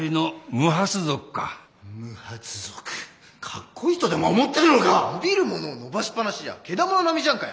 無髪族かっこいいとでも思ってるのか⁉伸びるものを伸ばしっぱなしじゃケダモノ並みじゃんかよ。